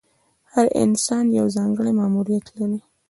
هر انسان یو ځانګړی ماموریت لري.